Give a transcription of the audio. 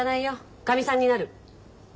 かみさんになる。